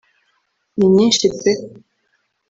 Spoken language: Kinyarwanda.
ni nyinshi pe